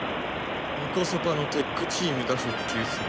ンコソパのテックチームが復旧する。